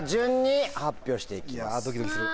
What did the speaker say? いやドキドキする。